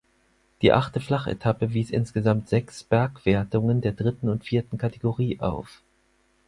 Die achte Flachetappe wies insgesamt sechs Bergwertungen der dritten und vierten Kategorie auf.